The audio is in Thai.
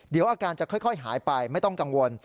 เดี๋ยวอาการจะค่อยหายไปไม่ต้องกังวล